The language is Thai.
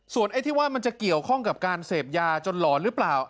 ไอ้ที่ว่ามันจะเกี่ยวข้องกับการเสพยาจนหลอนหรือเปล่า